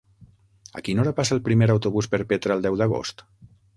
A quina hora passa el primer autobús per Petra el deu d'agost?